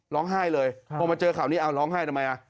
ร้องไห้เลยพอมาเจอข่าวนี้เอาร้องไห้ทำไมอ่ะ